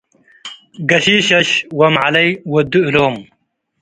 ገሺሽሸሽ ወመዐለይ ወዱ እሎም ።